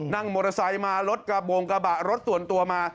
นั่งมอเตอร์ไซค์มารถกระบงกระบะรถส่วนตัวมา